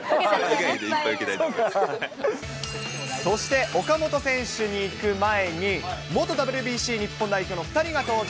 そして岡本選手にいく前に元ＷＢＣ日本代表の２人が登場。